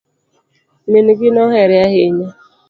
Min gi nohere ahinya